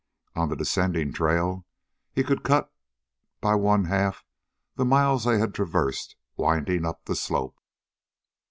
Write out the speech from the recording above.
On the descending trail, he could cut by one half the miles they had traversed winding up the slope.